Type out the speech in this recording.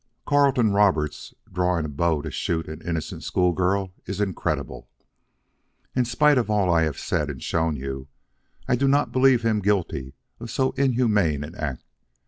Carleton Roberts drawing a bow to shoot an innocent schoolgirl is incredible. In spite of all I have said and shown you, I do not believe him guilty of so inhuman an act.